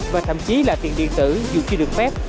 và thậm chí là tiền điện tử dù chưa được phép